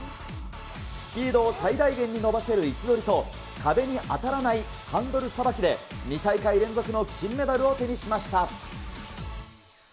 スピードを最大限に伸ばせる位置取りと、壁に当たらないハンドルさばきで２大会連続の金メダルを手にしました。